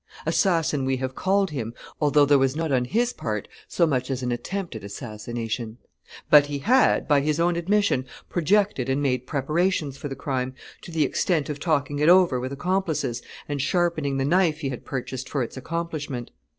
Assassin we have called him, although there was not on his part so much as an attempt at assassination; but he had, by his own admission, projected and made preparations for the crime, to the extent of talking it over with accomplices and sharpening the knife he had purchased for its accomplishment.